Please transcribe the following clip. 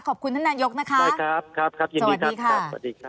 ขอบคุณท่านนายกนะคะสวัสดีค่ะ